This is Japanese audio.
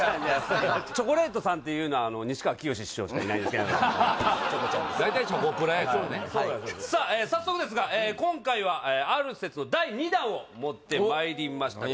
「チョコレートさん」っていうのは西川きよし師匠しかいないんです大体チョコプラやからね早速ですが今回はある説の第２弾を持ってまいりました